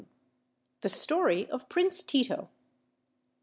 THE STORY OF PRINCE TITO.